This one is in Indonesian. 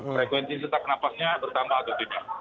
frekuensi setak napasnya bertambah atau tidak